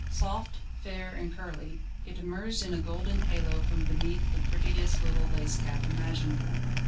Soft, fair, and curly, it emerged in a golden halo from beneath the prettiest little lace cap imaginable.